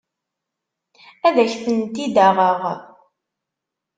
Ad ak-tent-id-aɣeɣ.